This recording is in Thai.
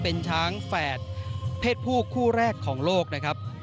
เป็นช้างแฝดเพศผู้คู่แรกของโลกนะครับ